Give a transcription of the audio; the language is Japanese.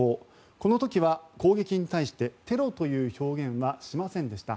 この時は攻撃に対してテロという表現はしませんでした。